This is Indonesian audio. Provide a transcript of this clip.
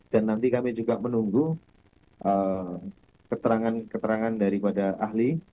dan nanti kami juga menunggu keterangan keterangan daripada ahli